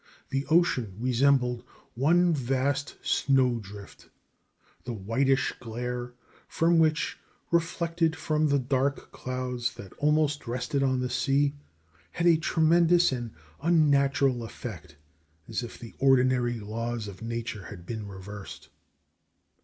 The ocean resembled one vast snowdrift, the whitish glare from which reflected from the dark clouds that almost rested on the sea had a tremendous and unnatural effect, as if the ordinary laws of nature had been reversed.